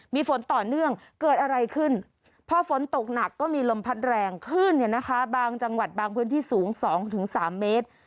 มีฝนต่อเนื่องเกิดอะไรขึ้นพอฝนตกหนักก็มีลมพัดแรงขึ้นเนี่ยนะคะบางจังหวัดบางพื้นที่สูง๒๓เมตร